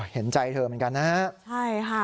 เห็นใจเธอเหมือนกันนะฮะ